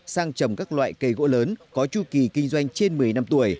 sang trồng các loại cây gỗ lớn có chu kỳ kinh doanh trên một mươi năm tuổi